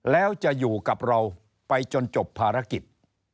แล้วจะอยู่กับเราไปจนจบภารกิจ